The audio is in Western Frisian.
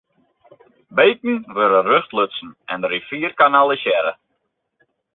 Beken wurde rjocht lutsen en de rivier kanalisearre.